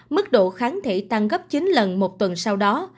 mức độ kháng thể tăng gấp chín lần một tuần sau đó